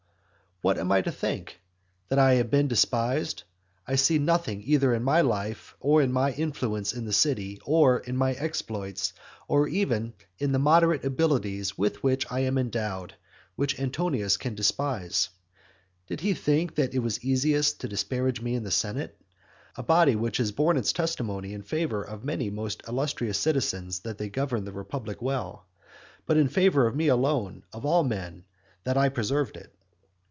What am I to think? that I have been despised? I see nothing either in my life, or in my influence in the city, or in my exploits, or even in the moderate abilities with which I am endowed, which Antonius can despise. Did he think that it was easiest to disparage me in the senate? a body which has borne its testimony in favour of many most illustrious citizens that they governed the republic well, but in favour of me alone, of all men, that I preserved it.